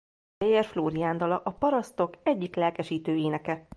Geyer Flórián dala a parasztok egyik lelkesítő éneke.